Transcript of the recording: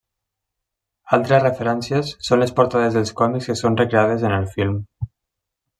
Altres referències són les portades dels còmics que són recreades en el film.